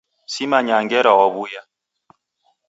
Simanyaa ngera wawuya